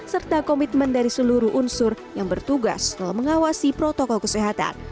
serta komitmen dari seluruh unsur yang bertugas dalam mengawasi protokol kesehatan